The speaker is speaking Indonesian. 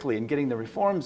dalam mendapatkan reform